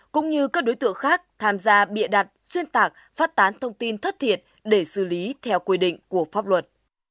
cũng như các đối tượng khác tham gia bịa đặt xuyên tạc phát tán thông tin thất thiệt để xử lý theo quy định của pháp luật